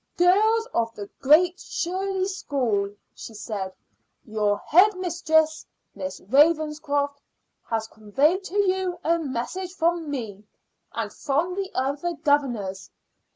"Girls of the Great Shirley School," she said, "your head mistress, Miss Ravenscroft, has conveyed to you a message from me and from the other governors.